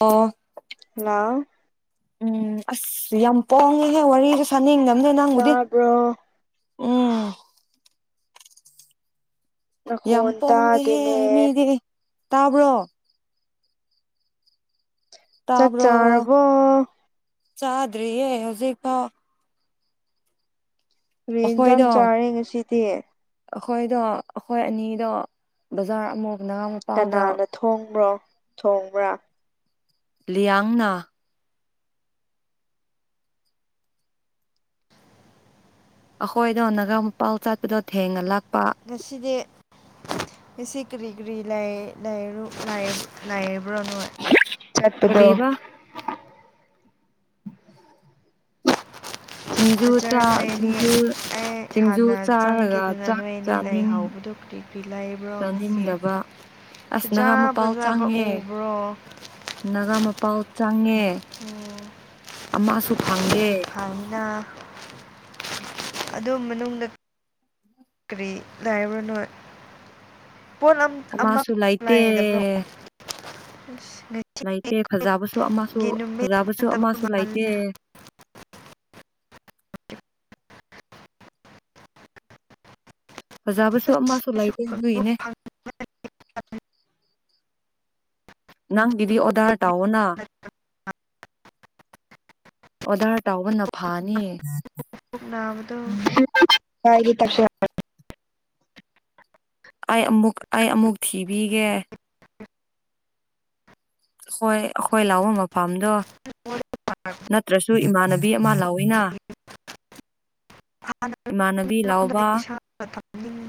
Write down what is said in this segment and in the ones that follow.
ꯑꯣ ꯍꯜꯂꯣ ꯎꯝ ꯑꯁ ꯌꯥꯝ ꯄꯣꯡꯉꯦꯍꯦ ꯋꯥꯔꯤꯒ ꯁꯥꯅꯤꯡꯗꯝꯅꯦ ꯅꯪꯕꯨꯗꯤ ꯇꯥꯕ꯭ꯔꯣ ꯎꯝ ꯌꯥꯝ ꯅꯈꯣꯟ ꯄꯣꯡꯉꯦꯍꯦ ꯇꯥꯗꯦꯅꯦ ꯃꯤꯗꯤ ꯇꯥꯕ꯭ꯔꯣ ꯆꯥꯛ ꯇꯥꯕ꯭ꯔꯣ ꯆꯥꯔꯕꯣ ꯆꯥꯗ꯭ꯔꯤꯌꯦ ꯍꯧꯖꯤꯛ ꯐꯥꯎ ꯀ꯭ꯔꯤ ꯏꯟꯖꯥꯡ ꯑꯩꯈꯣꯏꯗꯣ ꯆꯥꯔꯦ ꯉꯁꯤꯗꯤ ꯑꯩꯈꯣꯏꯗꯣ ꯑꯩꯈꯣꯏ ꯑꯅꯤꯗꯣ ꯕꯖꯥꯔ ꯑꯃꯨ ꯅꯍꯟꯃꯨ ꯀꯅꯥꯅ ꯊꯣꯡꯕ꯭ꯔꯣ ꯊꯣꯡꯕ꯭ꯔꯥ ꯂꯤꯌꯥꯡꯅ ꯑꯩꯈꯣꯏꯗꯣ ꯅꯒꯥ ꯃꯄꯥꯜ ꯆꯥꯠꯄꯗꯣ ꯊꯦꯡꯅ ꯂꯥꯛꯄ ꯉꯁꯤꯗꯤ ꯏꯁꯤ ꯀꯔꯤ ꯀꯔꯤ ꯂꯩ ꯂꯩꯔꯨ ꯂꯩ ꯂꯩꯕ꯭ꯔꯣꯅꯣꯏ ꯆꯠꯄꯗꯣ ꯀꯔꯤꯕ ꯁꯤꯡꯖꯨ ꯑꯆꯔ ꯆꯥ ꯅꯣꯏ ꯑꯅꯤ ꯁꯤꯡꯖꯨ ꯑꯩ ꯁꯤꯡꯖꯨ ꯍꯥꯟꯅ ꯆꯥꯔꯒ ꯆꯪꯈꯤꯗꯅ ꯆꯥꯛ ꯅꯣꯏ ꯑꯅꯤ ꯂꯩ ꯆꯥꯅꯤꯡ ꯍꯧꯕꯗꯨ ꯀꯔꯤ ꯀꯔꯤ ꯂꯩꯕ꯭ꯔꯣ ꯉꯁꯤ ꯆꯥꯅꯤꯡꯗꯕ ꯑꯁ ꯐꯖꯥ ꯅꯒꯥ ꯃꯄꯥꯜ ꯐꯖꯕ ꯆꯪꯉꯦ ꯎꯕ꯭ꯔꯣ ꯅꯒꯥ ꯃꯄꯥꯜ ꯆꯪꯉꯦ ꯎꯝ ꯑꯃꯁꯨ ꯐꯪꯗꯦ [unintelligible] ꯀꯔꯤ ꯂꯕ꯭ꯔꯥꯅꯣꯏ ꯄꯣꯠ ꯑꯝ ꯑꯃꯁꯨ ꯑꯃꯇ ꯂꯩꯇꯦ ꯂꯩꯗꯕ꯭ꯔꯣ [unintelligible] ꯂꯩꯇꯦ ꯐꯖꯕꯁꯨ ꯑꯃꯁꯨ ꯅꯨꯃꯤꯠ ꯐꯖꯕꯁꯨ ꯐꯠꯇꯕ ꯑꯃꯁꯨ ꯃꯥꯜꯂꯦ ꯂꯩꯇꯦ ꯐꯖꯥꯕꯁꯨ ꯑꯃꯁꯨ ꯑꯩꯁꯨ ꯂꯩꯇꯦ ꯈꯪꯕꯨ ꯑꯗꯨꯏꯅꯦ ꯅꯪꯒꯤꯗꯤ ꯑꯣꯗꯥꯔ ꯇꯥꯎꯋꯣꯅ ꯑꯣꯗꯔ ꯇꯥꯎꯕꯅ ꯐꯥꯅꯤ [unintelligible] ꯑꯩ ꯑꯃꯨꯛ ꯑꯩ ꯑꯃꯨꯛ ꯊꯤꯕꯤꯒꯦ [inaudible] ꯑꯩꯈꯣꯏ ꯑꯩꯈꯣꯏ ꯂꯥꯎꯕ ꯃꯐꯝꯗꯣ ꯅꯠꯇ꯭ꯔꯁꯨ ꯏꯃꯥꯟꯅꯕꯤ ꯑꯃ ꯂꯧꯋꯤꯅ ꯏꯃꯥꯟꯅꯕꯤ ꯂꯥꯎꯕ [unintelligible]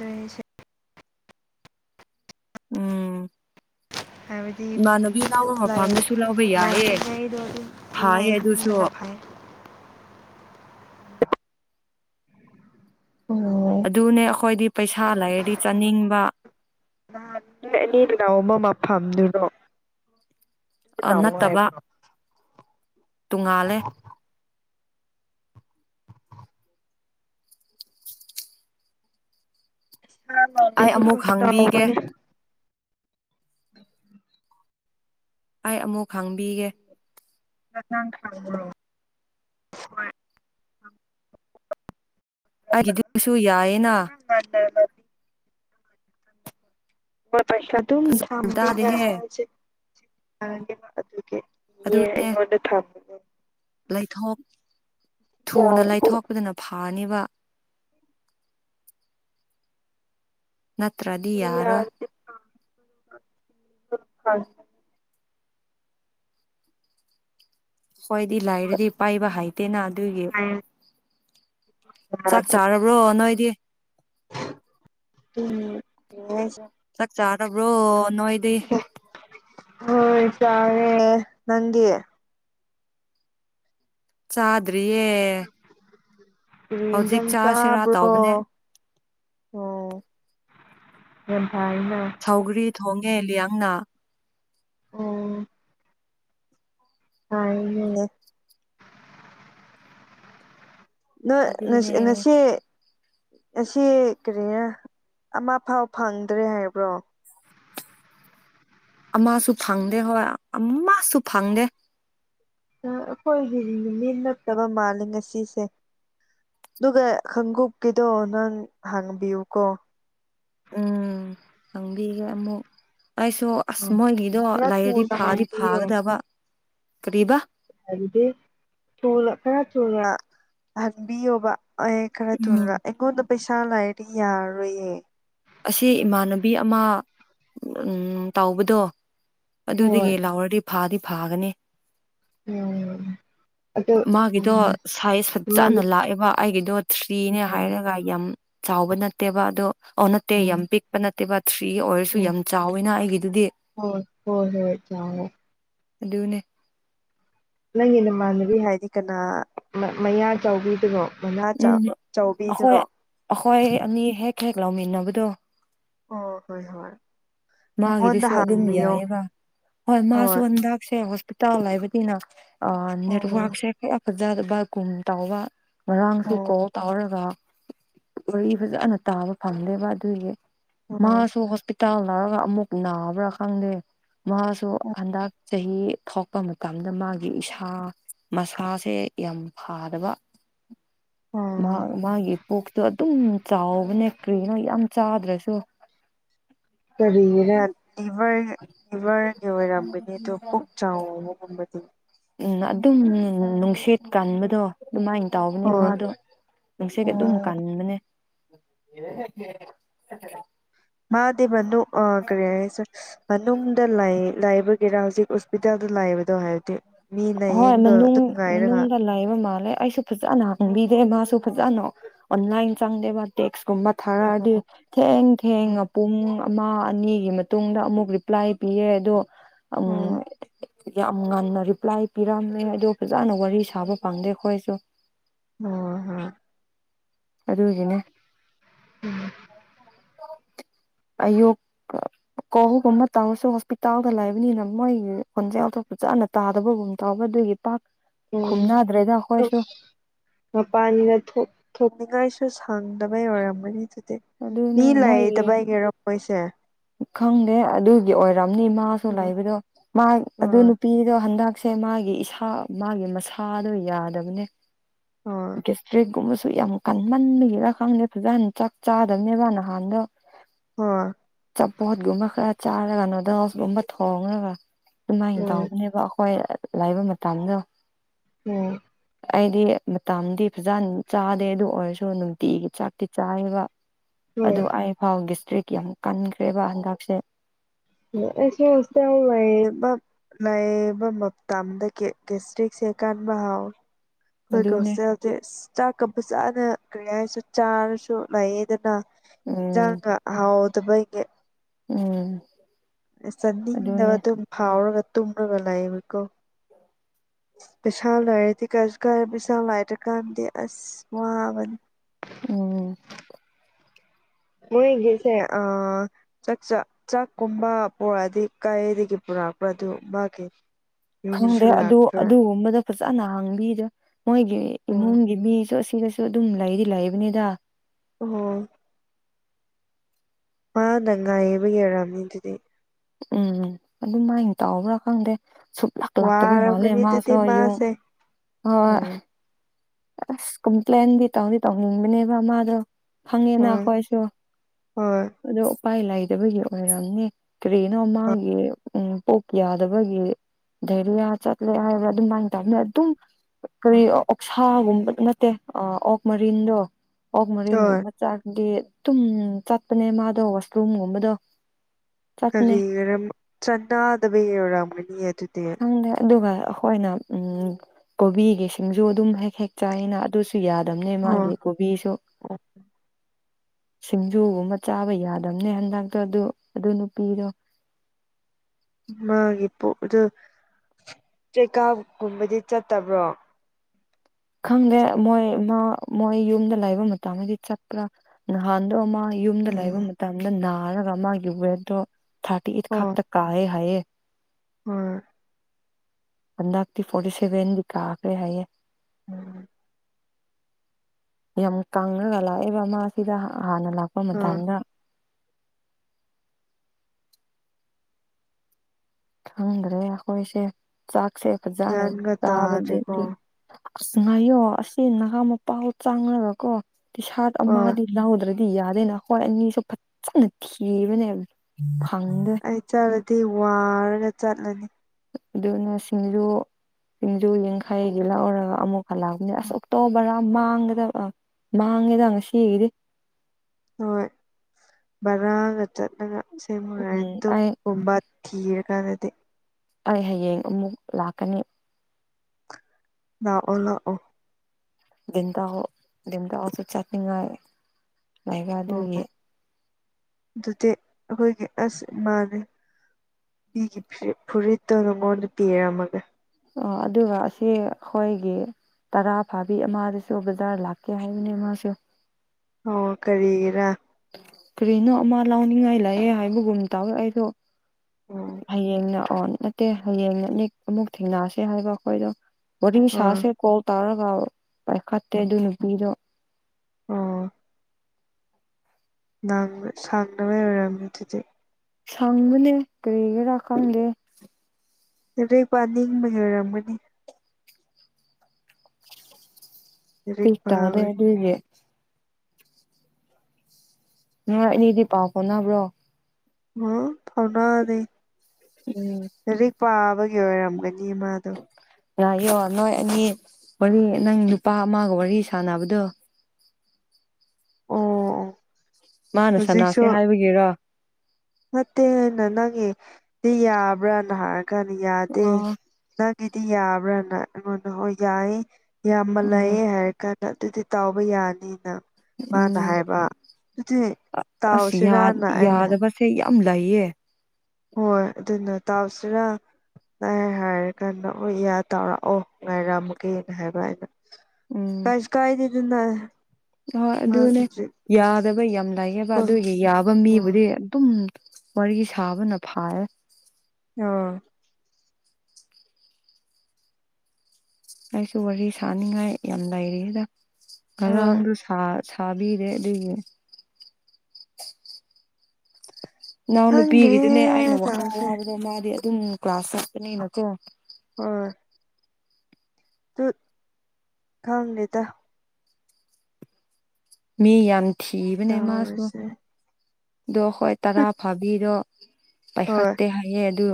ꯎꯝ ꯏꯃꯥꯟꯅꯕꯤ ꯂꯥꯎꯕ ꯃꯐꯝꯗꯁꯨ ꯂꯥꯎꯕ ꯌꯥꯏꯌꯦ ꯐꯥꯏꯌꯦ ꯑꯗꯨꯁꯨ [unintelligible] ꯑꯣ ꯑꯗꯨꯅꯦ ꯑꯩꯈꯣꯏꯗꯤ ꯄꯩꯁꯥ ꯂꯩꯔꯗꯤ ꯆꯥꯅꯤꯡꯕ ꯥ [unintelligible] [unintelligible] ꯑ [unintelligible] ꯇꯨꯡꯉꯥꯜꯂꯦ ꯑꯩ ꯑꯃꯨꯛ ꯍꯥꯡꯕꯤꯒꯦ [unintelligible] [inaudible] ꯑꯩ ꯑꯃꯨꯛ ꯍꯪꯕꯤꯒꯦ ꯅꯁꯥꯡ ꯈꯪꯕ꯭ꯔꯣ ꯍꯣꯏ ꯑꯩꯒꯤꯗꯤꯞꯁꯨ ꯌꯥꯏꯌꯦꯅꯥ [unintelligible] ꯍꯣꯏ ꯄꯩꯁꯥ ꯑꯗꯨꯝ ꯊꯝꯗꯤ ꯇꯥꯗꯦꯍꯦ [unintelligible] [unintelligible] ꯑꯗꯨꯗꯤ ꯌꯦ ꯑꯗꯨꯅꯦ ꯑꯩꯉꯣꯟꯗ ꯊꯝ ꯂꯩꯊꯣꯛ ꯊꯨꯅ ꯂꯩꯊꯣꯛꯄꯗꯨꯅ ꯐꯅꯤꯕ ꯅꯠꯇ꯭ꯔꯥꯗꯤ [unintelligible] ꯈꯣꯏꯗꯤ ꯂꯥꯏꯔꯗꯤ ꯄꯥꯏꯕ ꯍꯩꯇꯦꯅꯥ ꯑꯗꯨꯒꯤ ꯆꯥꯛ ꯆꯥꯔꯕ ꯕ꯭ꯔꯣ ꯅꯣꯏꯗꯤ ꯎꯝ [unintelligible] ꯆꯥꯛ ꯆꯥꯔꯕ꯭ꯔꯣ ꯅꯣꯏꯗꯤ ꯍꯣꯏ ꯆꯥꯔꯦ ꯅꯪꯗꯤ ꯆꯥꯗ꯭ꯔꯤꯌꯦ ꯀ꯭ꯔꯤ ꯍꯧꯖꯤꯛ ꯏꯟꯖꯥꯡ ꯆꯥꯁꯤꯔꯥ ꯆꯥꯕ꯭ꯔꯣ ꯇꯧꯕꯅꯦ ꯑꯣ ꯌꯥꯝ ꯐꯩꯅꯥ ꯁꯧꯒ꯭ꯔꯤ ꯊꯣꯡꯉꯦ ꯂꯤꯌꯥꯡꯅ ꯎꯝ ꯍꯥꯏꯔꯤꯅꯦ ꯅꯣꯏ ꯉꯁꯤ ꯑꯗꯨꯅꯦ ꯉꯁꯤ ꯉꯁꯤ ꯀ꯭ꯔꯤꯔꯥ ꯑꯃ ꯐꯥꯎ ꯐꯪꯗ꯭ꯔꯦ ꯍꯥꯏꯕ꯭ꯔꯣ ꯑꯃꯁꯨ ꯐꯪꯗꯦ ꯍꯣꯏ ꯑꯃꯥꯁꯨ ꯐꯪꯗꯦ ꯑ ꯑꯩꯈꯣꯏꯒꯤ ꯅꯨꯃꯤꯠ ꯅꯠꯇꯕ ꯃꯥꯜꯂꯦ ꯉꯁꯤꯁꯦ ꯑꯗꯨꯒ ꯈꯪꯒꯨꯞꯀꯤꯗꯣ ꯅꯪ ꯍꯪꯕꯤꯌꯨꯀꯣ ꯎꯝ ꯍꯪꯕꯤꯒꯦ ꯑꯃꯨꯛ ꯑꯩꯁꯨ ꯑꯁ ꯎꯝ ꯃꯣꯏꯒꯤꯗꯣ ꯈꯔ ꯂꯩꯥꯔꯗꯤ ꯊꯨꯅ ꯐꯥꯗꯤ ꯍꯥꯡꯕꯤꯌꯣ ꯐꯥꯒꯗꯕ ꯀꯔꯤꯕ ꯑꯗꯨꯗꯤ ꯇꯨꯜꯗ ꯈꯔ ꯊꯨꯅ ꯍꯪꯕꯤꯌꯣꯕ ꯑꯦ ꯈꯔ ꯊꯨꯅ ꯎꯝ ꯑꯩꯉꯣꯟꯗ ꯄꯩꯁꯥ ꯂꯩꯔꯗꯤ ꯌꯥꯔꯔꯣꯏꯌꯦ ꯑꯁꯤ ꯏꯃꯥꯟꯅꯕꯤ ꯑꯃ ꯎꯝ ꯇꯧꯕꯗꯣ ꯍꯣꯏ ꯑꯗꯨꯗꯒꯤ ꯂꯥꯎꯔꯗꯤ ꯐꯥꯗꯤ ꯐꯥꯒꯅꯤ ꯎꯝ ꯑꯗꯨ ꯃꯥꯒꯤꯗꯣ ꯎꯝ ꯁꯥꯏꯖ ꯃꯥꯅꯤ ꯐꯖꯅ ꯂꯥꯛꯑꯦꯕ ꯑꯩꯒꯤꯗꯣ ꯊ꯭ꯔꯤꯅꯦ ꯎꯝ ꯍꯥꯏꯔꯒ ꯌꯥꯝ ꯆꯥꯎꯕ ꯅꯠꯇꯦꯕ ꯑꯗꯣ ꯑꯣ ꯅꯠꯇꯦ ꯎꯝ ꯌꯥꯝ ꯄꯤꯛ ꯄ ꯅꯠꯇꯦꯕ ꯊ꯭ꯔꯤ ꯑꯣꯏꯔꯁꯨ ꯑꯣ ꯌꯥꯝ ꯆꯥꯎꯋꯤꯅ ꯑꯩꯒꯤꯗꯨꯗꯤ ꯍꯣꯏ ꯍꯣꯏ ꯍꯣꯏ ꯆꯥꯎꯋꯣ ꯑꯗꯨꯅꯦ ꯅꯪꯒꯤ ꯅꯃꯥꯟꯅꯕꯤ ꯍꯥꯏꯗꯤ ꯀꯅꯥ ꯃ ꯃꯌꯥ ꯆꯧꯕꯤꯗꯨꯔꯣ ꯎꯝ ꯑꯈꯣꯏ ꯑꯈꯣꯏ ꯑꯅꯤ ꯍꯦꯛ ꯍꯦꯛ ꯂꯥꯎꯃꯤꯟꯅꯕꯗꯣ ꯑꯣ ꯍꯣꯏ ꯍꯣꯏ ꯃꯉꯣꯟꯗ ꯃꯥꯒꯤꯗꯨꯁꯨ ꯑꯗꯨꯝ ꯍꯥꯡꯕꯤꯌꯣ ꯌꯥꯏꯌꯦꯕ ꯍꯣꯏ ꯃꯥꯁꯨ ꯍꯟꯗꯥꯛꯁꯦ ꯍꯣꯁꯄꯤꯇꯥꯜ ꯂꯩꯕꯅꯤꯅ ꯑꯥ ꯑꯣ ꯅꯦꯠꯋꯥꯔꯛꯁꯦ ꯈꯔ ꯐꯖꯗꯕ ꯀꯨꯝ ꯇꯧꯕ ꯉꯥꯔꯥꯡꯁꯨ ꯑꯣ ꯑꯣ ꯀꯣꯜ ꯇꯧꯔꯒ ꯋꯥꯔꯤ ꯐꯖꯅ ꯇꯥꯕ ꯐꯪꯗꯦꯕ ꯑꯗꯨꯒꯤ ꯑꯣ ꯃꯥꯁꯨ ꯍꯣꯁꯄꯤꯇꯥꯜ ꯂꯩꯔꯒ ꯑꯃꯨꯛ ꯅꯥꯕ꯭ꯔꯥ ꯈꯪꯗꯦ ꯃꯥꯁꯨ ꯍꯟꯗꯛ ꯆꯍꯤ ꯊꯣꯛꯄ ꯃꯇꯝꯗ ꯃꯥꯒꯤ ꯏꯁꯥ ꯃꯁꯥꯁꯦ ꯌꯥꯝ ꯐꯗꯕ ꯎꯝ ꯃꯍꯥꯛ ꯃꯥꯒꯤ ꯄꯨꯛꯇꯣ ꯑꯗꯨꯝ ꯆꯥꯎꯕꯅꯦ ꯀ꯭ꯔꯤꯒꯤꯅꯣ ꯌꯥꯝ ꯆꯥꯗ꯭ꯔꯁꯨ ꯀꯔꯤꯔꯥ ꯂꯤꯚꯔ ꯂꯤꯚꯔꯒꯤ ꯑꯣꯏꯔꯝꯒꯅꯤꯗꯣ ꯄꯨꯛ ꯆꯥꯎ ꯀꯩꯅꯣ ꯒꯨꯝꯕꯗꯤ ꯎꯝ ꯑꯗꯨꯝ ꯅꯨꯡꯁꯤꯠ ꯀꯟꯕꯗꯣ ꯑꯗꯨꯃꯥꯏꯟ ꯇꯥꯎꯕꯅꯦ ꯍꯣꯏ ꯃꯥꯗꯣ ꯅꯨꯡꯁꯤꯠ ꯑꯗꯨꯝ ꯑꯣ ꯀꯟꯕꯅꯦ [unintelligible] ꯃꯥꯗꯤ ꯃꯅꯨ ꯑ ꯀꯔꯤ ꯍꯥꯏꯌꯦꯁꯦ ꯃꯅꯨꯡꯗ ꯂꯩꯪ ꯂꯩꯕꯒꯤꯔꯥ ꯍꯧꯖꯤꯛ ꯍꯣꯁꯄꯤꯇꯥꯜꯗ ꯂꯥꯢꯕꯗꯣ ꯍꯥꯏꯕꯗꯤ ꯃꯤ ꯍꯣꯏ ꯂꯥꯌꯦꯡꯗꯣ ꯃꯅꯨꯡ ꯑꯗꯨꯝ ꯉꯥꯏꯔꯒ ꯃꯅꯨꯡꯗ ꯂꯩꯕ ꯃꯥꯜꯂꯦ ꯑꯩꯁꯨ ꯐꯖꯅ ꯍꯪꯕꯤꯗꯦ ꯃꯥꯁꯨ ꯐꯖꯅ ꯑꯣꯟꯂꯥꯏꯟ ꯆꯪꯗꯦꯕ ꯇꯦꯛꯁ ꯀꯨꯝꯕ ꯊꯥꯔꯛꯑꯗꯤ ꯊꯦꯡ ꯊꯦꯡꯉ ꯄꯨꯡ ꯑꯃ ꯑꯅꯤꯒꯤ ꯃꯇꯨꯡꯗ ꯑꯃꯨꯛ ꯔꯤꯄ꯭ꯂꯥꯏ ꯄꯤꯌꯦ ꯑꯗꯣ ꯎꯝ ꯌꯥꯝ ꯉꯟꯅ ꯔꯤꯞ ꯄ꯭ꯂꯥꯏ ꯄꯤꯔꯝꯃꯦ ꯑꯗꯣ ꯐꯖꯅ ꯋꯥꯔꯤ ꯁꯥꯕ ꯐꯪꯗꯦ ꯑꯈꯣꯏꯁꯨ ꯎꯝꯍꯝ ꯑꯗꯨꯒꯤꯅꯦ ꯑꯌꯨꯛꯀ ꯀꯣꯍꯨꯒꯨꯝꯕ ꯇꯧꯔꯁꯨ ꯍꯣꯁꯄꯤꯇꯥꯜꯗ ꯂꯩꯕꯅꯤꯅ ꯃꯣꯏꯒꯤ ꯈꯣꯟꯖꯦꯜꯗꯣ ꯐꯖꯅ ꯇꯥꯗꯕꯒꯨꯝ ꯇꯧꯕ ꯑꯗꯨꯒꯤ ꯄꯥꯛ ꯈꯨꯝꯅꯗ꯭ꯔꯦꯗ ꯑꯈꯣꯏꯁꯨ ꯃꯄꯥꯟꯒꯤꯅ ꯊꯣ ꯊꯣꯛꯅꯤꯡꯉꯥꯏꯁꯨ ꯁꯪꯡꯗꯕꯩ ꯑꯣꯏꯔꯝꯒꯅꯤꯗ ꯇꯦ ꯑꯗꯨꯅꯦ ꯃꯤ ꯃꯣꯏꯒꯤ ꯂꯩꯇꯕꯒꯤꯔ ꯈꯣꯏꯁꯦ ꯈꯪꯗꯦ ꯑꯗꯨꯒꯤ ꯑꯣꯏꯔꯝꯅꯤ ꯃꯥꯁꯨ ꯑ ꯂꯩꯕꯗꯣ ꯃꯥꯏ ꯑꯗꯨ ꯅꯨ ꯍꯣꯏ ꯃꯤꯗ ꯍꯟꯗꯛꯁꯦ ꯃꯥꯒꯤ ꯏꯁꯥ ꯃꯥꯒꯤ ꯃꯁꯥꯗꯣ ꯌꯥꯗꯕꯅꯦ ꯒꯦꯁꯇ꯭ꯔꯦꯛ ꯒꯨꯝꯕꯁꯨ ꯌꯥꯝ ꯀꯟꯃꯟꯕꯒꯤꯔ ꯈꯪꯗꯦ ꯐꯖꯅ ꯆꯥꯛ ꯆꯥꯗꯝꯅꯦꯕ ꯅꯍꯥꯟꯗꯣ ꯍꯣꯢ ꯆꯥꯄꯣꯠ ꯒꯨꯝꯕ ꯈꯔ ꯆꯥꯔꯒ ꯅꯨꯗꯜꯁ ꯒꯨꯝꯕ ꯊꯣꯡꯉꯒ ꯗꯨꯃꯥꯏꯟ ꯎꯝ ꯇꯧꯕꯅꯦꯕ ꯑꯈꯣꯏ ꯂꯩꯕ ꯃꯇꯝꯗꯣ ꯎꯝ ꯑꯩꯗꯤ ꯃꯇꯥꯝꯗꯤ ꯐꯖꯟ ꯆꯥꯗꯦ ꯑꯗꯨ ꯑꯣꯏꯔꯁꯨ ꯅꯨꯡꯇꯤꯒꯤ ꯆꯥꯛꯇꯤ ꯆꯥꯌꯦꯕ ꯍꯣꯏ ꯑꯗꯨ ꯑꯩꯐꯥꯎ ꯒꯦꯁꯇ꯭ꯔꯤꯛ ꯌꯥꯝ ꯀꯟꯈ꯭ꯔꯦꯕ ꯍꯟꯗꯛꯁꯦ [unintelligible] ꯂꯩꯕ ꯃꯇꯝꯗꯒꯤ ꯒꯦꯁꯇ꯭ꯔꯤꯛꯁꯦ ꯀꯟꯕ ꯍꯥꯎ ꯈꯣꯏ ꯑꯗꯨꯅꯦ ꯒꯣꯇꯦꯜꯗꯤ ꯆꯥꯛꯀ ꯐꯖꯅ ꯀꯔꯤ ꯍꯥꯏꯁꯨ ꯆꯥꯔꯁꯨ ꯂꯩꯥꯌꯦꯗꯅ ꯎꯝ ꯍꯤꯟꯖꯥꯡꯒ ꯍꯥꯎꯇꯕꯒꯤ ꯎꯝ ꯑꯆꯥꯅꯤꯡꯗꯕ ꯑꯗꯨꯅꯦ ꯑꯗꯨꯝ ꯐꯥꯎꯔꯒ ꯇꯨꯝꯔꯒ ꯂꯩꯕꯀꯣ ꯄꯩꯁꯥ ꯂꯥꯏꯔꯗꯤ ꯀꯩꯁꯨ ꯀꯥꯢꯝ ꯄꯩꯁꯥ ꯂꯥꯢꯇ꯭ꯔꯤꯀꯥꯟꯗꯤ ꯑꯁ ꯋꯥꯕꯅꯤ ꯎꯝ ꯃꯣꯏꯒꯤꯁꯦ ꯑꯥ ꯆꯛꯆꯥ ꯆꯥꯛꯀꯨꯝꯕ ꯄꯣꯔꯑꯗꯤ ꯀꯥꯏꯗꯒꯤ ꯄꯨꯔꯛꯄ꯭ꯔꯥ ꯑꯗꯨ ꯃꯥꯒꯤ ꯈꯪꯗꯦ ꯌꯨꯝꯗꯁꯨ ꯑꯗꯨ ꯂꯥꯛꯇ꯭ꯔꯥ ꯑꯗꯨꯒꯨꯝꯕꯗ ꯐꯖꯅ ꯍꯥꯡꯕꯤꯗ ꯃꯣꯏꯒꯤ ꯑꯣ ꯏꯃꯨꯡꯒꯤ ꯃꯤꯁꯨ ꯑꯁꯤꯗꯁ ꯇꯣ ꯑꯗꯨꯝ ꯂꯩꯗꯤ ꯂꯩꯕꯅꯤꯗ ꯑꯣ ꯃꯥꯅ ꯉꯥꯏꯕꯒꯤꯔꯝꯅꯤ ꯑꯗꯨꯗꯤ ꯎꯝ ꯑꯗꯨꯃꯥꯏꯟ ꯇꯥꯎꯕ꯭ꯔꯥ ꯈꯪꯗꯦ ꯁꯨꯞ ꯂꯥꯛ ꯂꯥꯛꯇꯕ ꯃꯥꯜꯂꯦ ꯋꯥꯔꯝꯒꯅꯤ ꯑꯗꯨꯗꯤ ꯃꯥꯁꯨ ꯌꯨꯝ ꯃꯥꯁꯦ ꯍꯣꯏ ꯑꯣ ꯑꯁ ꯀꯝꯄ꯭ꯂꯦꯟꯗꯤ ꯇꯧꯗꯤ ꯇꯧꯅꯤꯡꯕꯅꯦꯕ ꯃꯥꯗꯣ ꯈꯪꯉꯦꯅꯥ ꯍꯣꯏ ꯑꯈꯣꯏꯁꯨ ꯍꯣꯏ ꯑꯗꯣ ꯎꯄꯥꯏ ꯂꯩꯗꯕꯒꯤ ꯑꯣꯏꯔꯝꯅꯤ ꯀꯔꯤꯅꯣ ꯃꯥꯒꯤ ꯎꯝ ꯄꯨꯛ ꯌꯥꯗꯕꯒꯤ ꯗꯥꯏꯔꯤꯌꯥ ꯆꯠꯂꯦ ꯍꯥꯏꯔ ꯑꯗꯨꯃꯥꯏꯟ ꯇꯧꯕꯅꯦ ꯑꯗꯨꯝ ꯀꯔꯤ ꯑꯣꯛ ꯑꯣꯛꯁꯥꯒꯨꯝꯕ ꯅꯠꯇꯦ ꯑꯥ ꯑꯣꯛ ꯃꯔꯤꯟꯗꯣ ꯑꯣꯛ ꯍꯣꯏ ꯃꯔꯤꯟꯒꯨꯝꯕ ꯆꯥꯛꯗꯤ ꯇꯨꯝ ꯆꯠꯄꯅꯦ ꯃꯥꯗꯣ ꯋꯥꯁꯔꯨꯝꯒꯨꯝꯕꯗꯣ ꯆꯠꯄꯅꯦ ꯀꯔꯤ ꯒꯔꯝ ꯆꯠꯅꯥꯗꯕꯒꯤ ꯑꯣꯏꯔꯝꯒꯅꯤꯌꯦ ꯑꯗꯨꯗꯤ ꯈꯪꯗꯦ ꯑꯗꯨꯒ ꯑꯩꯈꯣꯏꯅ ꯎꯝ ꯀꯣꯕꯤꯒꯤ ꯁꯤꯡꯖꯨ ꯑꯗꯨꯝ ꯍꯦꯛ ꯍꯦꯛ ꯆꯥꯏꯅ ꯑꯗꯨꯁꯨ ꯌꯥꯗꯝꯅꯦ ꯑꯣ ꯃꯥꯒꯤ ꯀꯣꯕꯤꯁꯨ ꯁꯤꯡꯖꯨꯒꯨꯝꯕ ꯆꯥꯕ ꯌꯥꯗꯝꯅꯦ ꯍꯟꯗꯛꯇꯣ ꯑꯗꯨ ꯑꯗꯨ ꯅꯨꯄꯤꯗꯣ ꯃꯥꯒꯤ ꯄꯣꯛꯗꯨ ꯆꯦꯀꯞꯒꯨꯝꯕꯗꯤ ꯆꯠꯇꯕ꯭ꯔꯣ ꯈꯪꯗꯦ ꯃꯣꯏ ꯃꯥ ꯃꯣꯏ ꯌꯨꯝꯗ ꯂꯩꯕ ꯃꯇꯝꯗꯤ ꯆꯠꯄ꯭ꯔꯥ ꯅꯍꯥꯟꯗꯣ ꯃꯥꯏ__ ꯌꯨꯝꯗ ꯂꯩꯕ ꯎꯝ ꯃꯇꯝꯗ ꯅꯥꯔꯒ ꯃꯥꯒꯤ ꯋꯦꯠꯇꯣ ꯊꯥꯔꯇꯤ ꯑꯩꯠ ꯑꯣ ꯈꯛꯇ ꯀꯥꯌꯦ ꯍꯥꯏꯌꯦ ꯍꯣꯏ ꯍꯟꯗꯛꯇꯤ ꯐꯣꯔꯇꯤ ꯁꯚꯦꯟꯗꯤ ꯀꯥꯈ꯭ꯔꯦ ꯍꯥꯏꯌꯦ ꯎꯝ ꯌꯥꯝ ꯀꯪꯔꯒ ꯂꯥꯛꯑꯦꯕ ꯃꯥꯥ ꯁꯤꯗ ꯍꯥ ꯍꯥꯟꯅ ꯂꯥꯛꯄ ꯑꯥ ꯃꯇꯝꯗ ꯈꯪꯗ꯭ꯔꯦ ꯑꯈꯣꯏꯁꯦ ꯆꯥꯛꯁꯦ ꯐꯖꯅ ꯒ꯭ꯌꯥꯟꯒ ꯆꯥꯕꯗꯤ ꯇꯥꯗ꯭ꯔꯦꯀꯣ ꯂꯦ__ ꯑꯁ ꯉꯥꯏꯌꯣ ꯑꯁꯤ ꯅꯍꯥꯃꯄꯥꯜ ꯆꯪꯉꯒꯀꯣ ꯇꯤꯁ꯭ꯥꯔꯠ ꯍꯣꯏ ꯑꯃꯥꯗꯤ ꯂꯧꯗ꯭ꯔ__ ꯗꯤ ꯌꯥꯗꯦꯅ ꯈꯣꯏ ꯑꯅꯤꯁꯨ ꯐꯠꯖꯅ ꯊꯤꯕꯅꯦ ꯐꯪꯗꯦ ꯑꯩ ꯆꯠꯂꯗꯤ ꯋꯥꯔꯒ ꯆꯠꯂꯅꯤ ꯑꯗꯨꯅ ꯁꯤꯡꯔꯨ ꯁꯤꯡꯖꯨ ꯌꯥꯡꯈꯩꯒꯤ ꯂꯧꯔꯒ ꯑꯃꯨꯛꯀ ꯂꯥꯛꯄꯅꯦ ꯑꯁ ꯑꯣꯛꯇꯣ ꯕꯥꯔꯥ ꯃꯥꯡꯒꯗ ꯑꯥ__ ꯃꯥꯡꯉꯦꯗ ꯉꯁꯤꯒꯤꯗꯤ ꯍꯣꯏ ꯕꯔꯥꯒ ꯆꯠꯂꯒ ꯁꯦꯃꯨꯔꯦ ꯎꯝ ꯇꯨꯞ ꯑꯩ ꯨꯀꯨꯝꯕ ꯊꯤꯔꯀꯥꯟꯗꯗꯤ ꯑꯩ ꯍꯌꯦꯡ ꯑꯃꯨꯛ ꯂꯥꯛꯀꯅꯤ ꯂꯥꯛꯑꯣ ꯂꯥꯛꯑꯣ ꯗꯤꯟꯇꯥꯍꯣ ꯗꯤꯝꯇꯥꯍꯣꯁꯨ ꯆꯠꯅꯤꯡꯉꯥꯏ ꯂꯩꯕ ꯑꯣ ꯑꯗꯨꯒꯤ ꯑꯗꯨꯗꯤ ꯑꯩꯈꯣꯏꯒꯤ ꯑꯁ ꯏꯃꯥꯅꯦ ꯃꯤꯒꯤ ꯐ꯭ꯔꯤꯞ ꯐꯨꯔꯤꯠꯇꯣ ꯅꯪꯉꯣꯟꯗ ꯄꯤꯔꯝꯃꯒꯥ ꯑꯣ ꯑꯗꯨꯒ ꯑꯁꯤ ꯍꯣꯏꯒꯤ ꯇꯔꯥ ꯐꯥꯕꯤ ꯑꯃꯥꯗꯨꯁꯨ ꯕꯖꯥꯔ ꯂꯥꯛꯀꯦ ꯍꯥꯏꯕꯅꯦ ꯃꯥꯁꯨ ꯑꯣ ꯀꯔꯤꯒꯤꯔꯥ ꯀꯔꯤꯅꯣ ꯑꯃꯥ ꯂꯥꯎꯅꯤꯡꯉꯥꯏ ꯂꯩꯥꯌꯦ ꯍꯥꯏꯕꯒꯨꯝ ꯇꯧꯋꯦ ꯑꯩꯗꯣ ꯑꯣ ꯍꯌꯦꯡꯅ ꯑꯣꯠ ꯅꯠꯇꯦ ꯍꯌꯦꯡ ꯅꯅꯤꯛ ꯑꯃꯨꯛ ꯊꯦꯡꯅꯥꯁꯦ ꯍꯥꯏꯕ ꯑꯩꯈꯣꯏꯗꯣ ꯋꯥꯔꯤ ꯑꯣ ꯁꯥꯥꯁꯦ ꯀꯣꯜ ꯇꯧꯔꯒ ꯄꯥꯏꯈꯠꯇꯦ ꯑꯗꯨ ꯅꯨꯄꯤꯗꯣ ꯑꯣ ꯅꯪ ꯁꯪꯗꯕꯩ ꯑꯣꯏꯔꯝꯃꯤ ꯗꯨꯗꯤ ꯁꯪꯕꯅꯦ ꯀꯔꯤꯒꯤꯔꯥ ꯈꯪꯗꯦ ꯂꯔꯤꯛ ꯄꯥꯅꯤꯡꯕꯒꯤ ꯑꯣꯏꯔꯝꯒꯅꯤ ꯂꯥꯏꯔꯤꯛ ꯑꯩ ꯇꯧꯗꯦ ꯄꯥꯕꯒꯤ ꯑꯗꯨꯒꯤ ꯅꯣꯏ ꯑꯅꯤꯗꯤ ꯄꯥꯎ ꯐꯥꯎꯅꯕ꯭ꯔꯣ ꯍꯨꯝ ꯐꯥꯎꯅꯗꯦ ꯎꯝ ꯂꯥꯔꯤꯛ ꯄꯥꯕꯒꯤ ꯑꯣꯏꯔꯝꯒꯅꯤ ꯃꯥꯗꯣ ꯉꯥꯏꯌꯣ ꯅꯣꯏ ꯑꯅꯤ ꯋꯥꯔꯤ ꯅꯪ ꯅꯨꯄꯥ ꯑꯃꯥꯒ ꯋꯥꯔꯤ ꯁꯥꯟꯅꯕꯗꯨ ꯑꯣ ꯑꯣ ꯃꯥꯅ ꯍꯧꯖꯤꯛꯁꯨ ꯁꯅꯥꯁꯦ ꯍꯥꯏꯕꯒꯤꯔꯣ ꯅꯠꯇꯦ ꯑꯩꯅ ꯅꯪꯒꯤ ꯗꯤ ꯌꯥꯕ꯭ꯔꯥꯅ ꯍꯥꯏꯔꯀꯟꯗ ꯌꯥꯗꯦ ꯑꯣ ꯅꯪꯒꯤꯗꯤ ꯌꯥꯕ꯭ꯔꯥꯅ ꯑꯩꯉꯣꯟꯗ ꯍꯣꯏ ꯌꯥꯌꯦ ꯌꯥꯝꯃ ꯎꯝ ꯂꯩꯌꯦ ꯍꯥꯏꯔꯀꯟ ꯑꯗꯨꯗꯤ ꯇꯥꯎꯕ ꯌꯥꯅꯤꯅ ꯃꯥꯅ ꯎꯝ ꯍꯥꯏꯕ ꯑꯇꯨꯏ ꯇꯥꯎꯁꯤꯔꯅ ꯑꯩꯅ ꯁꯦ ꯌꯥꯝ ꯂꯩꯌꯦ ꯍꯣꯏ ꯑꯗꯨꯅ ꯇꯥꯎꯁꯤꯔꯥ ꯉꯥꯏ ꯍꯥꯏꯔꯀꯥꯟꯗ ꯑꯣ ꯌꯥ ꯇꯧꯔꯛꯑꯣ ꯉꯥꯏꯔꯝꯒꯦꯅ ꯍꯥꯏꯕ ꯑꯩꯅ ꯎꯝ ꯀꯥꯏꯁꯨ ꯀꯥꯏꯗꯦꯗꯅ ꯍꯣꯏ ꯉꯍꯥꯛ ꯑꯗꯨꯅꯦ ꯍꯧꯖꯤꯛ ꯌꯥꯗꯕꯩ ꯌꯥꯝ ꯂꯩꯌꯦꯕ ꯍꯣꯏ ꯑꯗꯨꯒꯤ ꯌꯥꯕ ꯍꯣꯏ ꯃꯤꯕꯨꯗꯤ ꯑꯗꯨꯝ ꯋꯥꯔꯤ ꯁꯥꯕꯅ ꯐꯥꯏꯌꯦ ꯑꯣ ꯑꯩꯁꯨ ꯋꯥꯔꯤ ꯁꯥꯅꯤꯡꯉꯥꯏ ꯌꯥꯝ ꯂꯩꯔꯤꯗ ꯍꯣꯏ ꯉꯔꯥꯡꯗꯨ ꯁꯥ ꯁꯥꯕꯤꯗꯦ ꯑꯗꯨꯒꯤ ꯏꯅꯥꯎ ꯅꯨꯄꯤꯒꯤꯗꯨꯅꯦ ꯑꯩꯅ ꯈꯪꯗ꯭ꯔꯦꯍꯦ ꯋꯥꯈꯜ ꯇꯧꯔꯤꯁꯦ ꯋꯥꯕꯗꯣ ꯃꯥꯗꯤ ꯑꯗꯨꯝ ꯀ꯭ꯂꯥꯁ ꯆꯠꯄꯅꯤꯅꯀꯣ ꯍꯣꯏ ꯇꯨꯠ ꯈꯪꯗꯦꯗ ꯃꯤ ꯌꯥꯝ ꯊꯤꯕꯅꯦ ꯃꯥꯁꯨ ꯇꯧꯔꯤꯁꯦ ꯗꯣ ꯈꯣꯏ ꯇꯔꯥ ꯐꯥꯕꯤꯗꯣ ꯍꯣꯏ ꯄꯥꯏꯈꯠꯇꯦ ꯍꯥꯏꯌꯦ ꯑꯗꯨ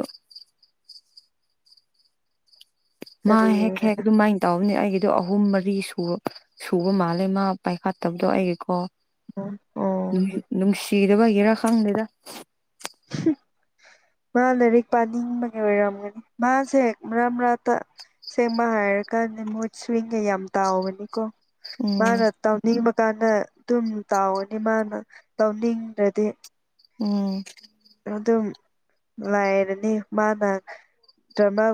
ꯃꯥ ꯍꯦꯛ ꯀꯔꯤꯔ ꯍꯦꯛ ꯑꯗꯨꯃꯥꯏꯟ ꯇꯧꯕꯅꯦ ꯑꯩꯒꯤꯗꯣ ꯑꯍꯨꯝ ꯃꯔꯤ ꯁꯨ ꯁꯨꯕ ꯃꯥꯜꯂꯦ ꯃꯥ ꯄꯥꯏꯈꯠꯇꯕꯗꯣ ꯑꯩꯒꯤꯀꯣ [unintelligible] ꯅꯨꯡꯁꯤꯗꯕꯒꯤꯔ ꯈꯪꯗꯦꯗ ꯍꯨꯝ ꯃꯥ ꯂꯥꯏꯔꯤꯛ ꯄꯥꯅꯤꯡꯕꯒꯤ ꯑꯣꯏꯔꯝꯒꯅꯤ ꯃꯥꯁꯦ ꯃꯔꯛ ꯃꯔꯛꯇ ꯁꯦꯡꯕ ꯍꯥꯏꯔꯀꯥꯟꯗ ꯃꯨꯠ ꯁ꯭ꯋꯤꯡꯒ ꯌꯥꯝ ꯇꯥꯎꯕꯅꯤꯀꯣ ꯎꯝ ꯃꯥꯅ ꯇꯧꯅꯤꯡꯕꯀꯥꯟꯗ ꯑꯗꯨꯝ ꯇꯥꯎꯔꯅꯤ ꯃꯥꯅ ꯇꯧꯅꯤꯡꯗ꯭ꯔꯥꯗꯤ ꯎꯝ ꯑꯗꯨꯝ ꯂꯥꯏꯔꯅꯤ ꯃꯥꯅ ꯇ꯭ꯔꯃꯦꯜ